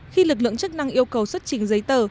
khi lực lượng chức năng yêu cầu xuất trình giấy tờ